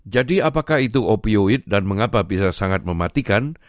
jadi apakah itu opioid dan mengapa bisa sangat mematikan